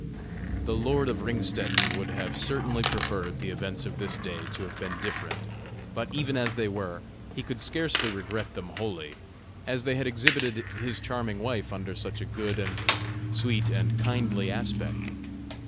The lord of Ringstetten would have certainly preferred the events of this day to have been different; but even as they were, he could scarcely regret them wholly, as they had exhibited his charming wife under such a good and sweet and kindly aspect.